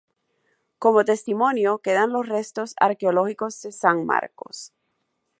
Como testimonio, quedan los restos arqueológicos de San Marcos.